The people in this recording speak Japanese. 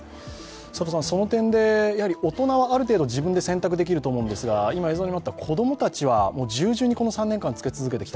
その点で大人は、ある程度自分で選択できると思うんですが、子供たちは従順にこの３年間着け続けてきた。